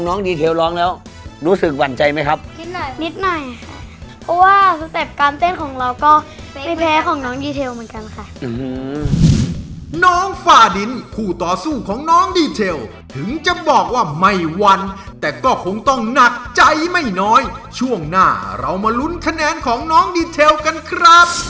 ขนาดนี้ขนาดนี้ขนาดนี้ขนาดนี้ขนาดนี้ขนาดนี้ขนาดนี้ขนาดนี้ขนาดนี้ขนาดนี้ขนาดนี้ขนาดนี้ขนาดนี้ขนาดนี้ขนาดนี้ขนาดนี้ขนาดนี้ขนาดนี้ขนาดนี้ขนาดนี้ขนาดนี้ขนาดนี้ขนาดนี้ขนาดนี้ขนาดนี้ขนาดนี้ขนาดนี้ขนาดนี้ขนาดนี้ขนาดนี้ขนาดนี้ขนาดนี้